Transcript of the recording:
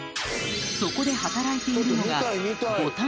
そこで働いているのがいやあ！